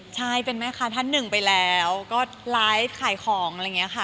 ใช่เป็นแม่ค้าท่านหนึ่งไปแล้วก็ไลฟ์ขายของอะไรอย่างนี้ค่ะ